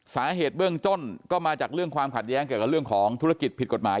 สาเหตุเบื้องต้นก็มาจากเรื่องความขัดแย้งเกี่ยวกับเรื่องของธุรกิจผิดกฎหมาย